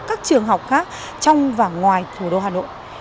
các trường học khác trong và ngoài thủ đô hà nội